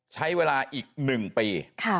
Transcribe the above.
ใช้เวลาอีก๑ปี